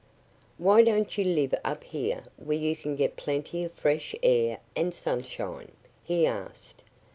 "Why don't you live up here where you can get plenty of fresh air and sunshine?" he asked.